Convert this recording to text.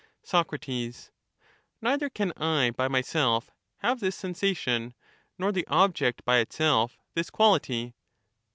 Soc, Neither can I by myself, have this sensation, nor the object by itself, this quality.